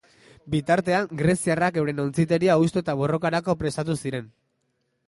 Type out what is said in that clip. Bitartean, greziarrak euren ontziteria hustu eta borrokarako prestatu ziren.